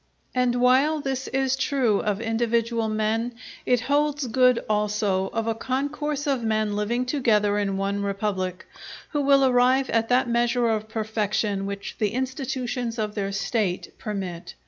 And while this is true of individual men, it holds good also of a concourse of men living together in one republic, who will arrive at that measure of perfection which the institutions of their State permit.